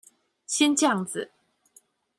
先醬子